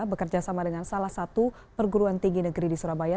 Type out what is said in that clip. bekerja sama dengan salah satu perguruan tinggi negeri di surabaya